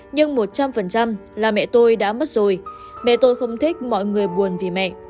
nhưng một trăm linh là mẹ tôi đã mất rồi mẹ tôi không thích mọi người buồn vì mẹ